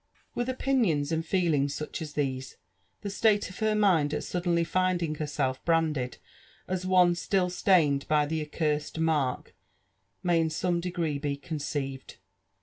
" With opinions and feelings such as these, the state of her mind at suddenly finding herself branded as one still stained by the accursed '' mabk" may io some degree be conceived.